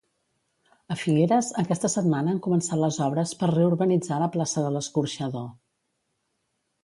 A Figueres, aquesta setmana han començat les obres per reurbanitzar la plaça de l'Escorxador.